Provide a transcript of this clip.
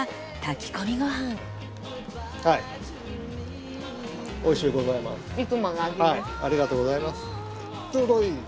ちょうどいい。